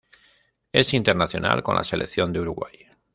Es internacional con la selección de Uruguay.